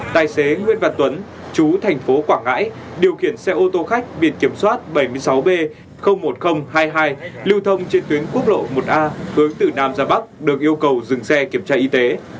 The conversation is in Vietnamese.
tài xế nguyễn văn tuấn chú thành phố quảng ngãi điều khiển xe ô tô khách biển kiểm soát bảy mươi sáu b một nghìn hai mươi hai lưu thông trên tuyến quốc lộ một a hướng từ nam ra bắc được yêu cầu dừng xe kiểm tra y tế